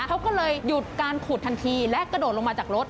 เขาก็เลยหยุดการขุดทันทีและกระโดดลงมาจากรถ